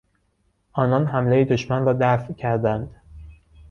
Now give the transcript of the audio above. آنان حملهی دشمن را دفع کردند.